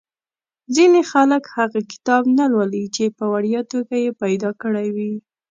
ځینې خلک هغه کتاب نه لولي چې په وړیا توګه یې پیدا کړی وي.